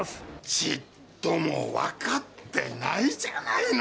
ちっともわかってないじゃないの！